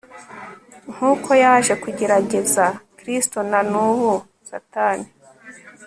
Nkuko yaje kugerageza Kristo na nubu Satani